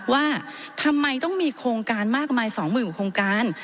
ว่าทำไมต้องมีโครงการมากมาย๒๐๐๐กว่าโครงการ